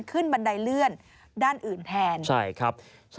ขึ้นบันไดเลื่อนด้านอื่นแทน